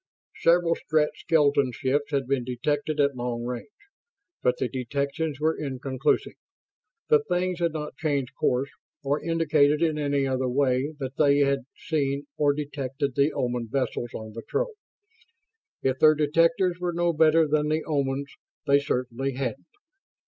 Several Strett skeleton ships had been detected at long range, but the detections were inconclusive. The things had not changed course, or indicated in any other way that they had seen or detected the Oman vessels on patrol. If their detectors were no better than the Omans', they certainly hadn't.